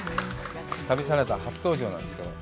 旅サラダ、初登場なんですよね。